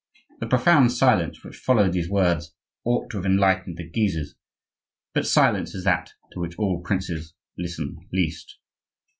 The profound silence which followed these words ought to have enlightened the Guises, but silence is that to which all princes listen least.